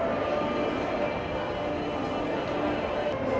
ขอบคุณทุกคนมากครับที่ทุกคนรัก